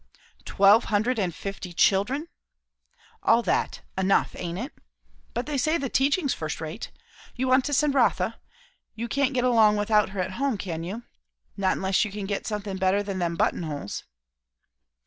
"Twelve hundred and fifty children!" "All that. Enough, aint it? But they say the teaching's first rate. You want to send Rotha? You can't get along without her at home, can you? Not unless you can get somethin' better than them buttonholes."